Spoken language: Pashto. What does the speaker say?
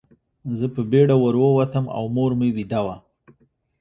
زه په بېړه ور ووتم او مور مې ویده وه